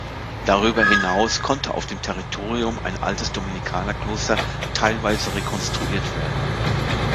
Darüber hinaus konnte auf dem Territorium ein altes Dominikanerkloster teilweise rekonstruiert werden.